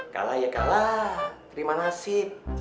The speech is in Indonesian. kalah ya kalah terima nasib